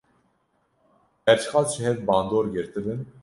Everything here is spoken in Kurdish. Her çi qas ji hev bandor girtibin.